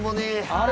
あれ？